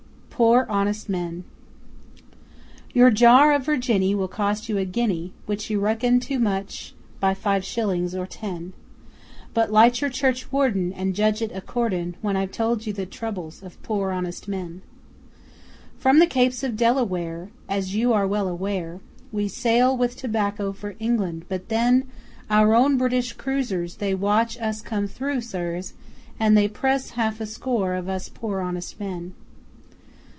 'Poor Honest Men' Your jar of Virginny Will cost you a guinea, Which you reckon too much by five shilling or ten; But light your churchwarden And judge it accordin' When I've told you the troubles of poor honest men. From the Capes of the Delaware, As you are well aware, We sail with tobacco for England but then Our own British cruisers, They watch us come through, sirs, And they press half a score of us poor honest men.